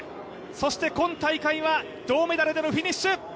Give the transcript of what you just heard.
そして今大会は銅メダルでのフィニッシュ。